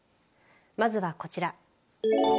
まずはこちら。